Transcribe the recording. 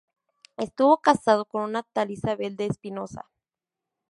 Estuvo casado con una tal Isabel de Espinoza.